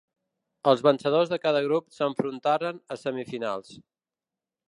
Els vencedors de cada grup s'enfrontaren a semifinals.